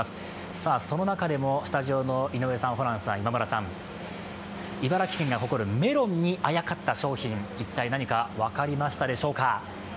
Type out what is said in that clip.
さあ、その中でもスタジオの井上さん、ホランさん、今村さん、茨城県が誇るメロンにあやかった商品、一体何か分かりましたでしょうか？